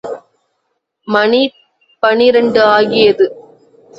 மணி பனிரண்டு ஆகியது.